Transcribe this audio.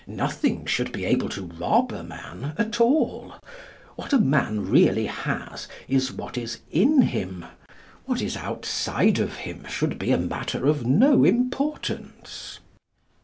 Nothing should be able to rob a man at all. What a man really has, is what is in him. What is outside of him should be a matter of no importance.